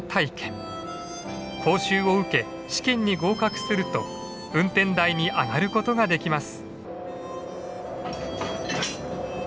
講習を受け試験に合格すると運転台に上がることができます。